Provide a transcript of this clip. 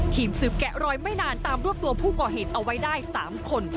ทีมสืบแกะรอยไม่นานตามรวบตัวผู้ก่อเหตุเอาไว้ได้๓คน